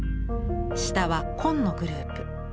下は「坤」のグループ。